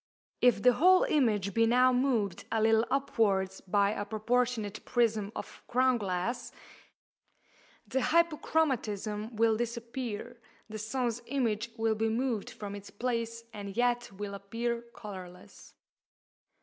If the whole image be now moved a little upwards by a proportionate prism of crown glass, the hyperchromatism will disappear, the sun's image will be moved from its place, and yet will appear colourless.